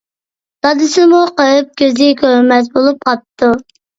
دادىسىمۇ قېرىپ كۆزى كۆرمەس بولۇپ قاپتۇ.